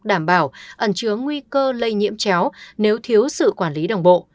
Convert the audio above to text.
đảm bảo ẩn trướng nguy cơ lây nhiễm chéo nếu thiếu sự quản lý đồng bộ